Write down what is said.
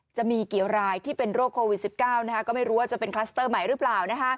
จะมีกี่รายที่เป็นโรคโควิด๑๙ก็ไม่รู้ว่าจะเป็นคลัสเตอร์ใหม่หรือเปล่า